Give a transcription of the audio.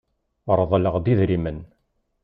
Reḍḍleɣ-d idrimen.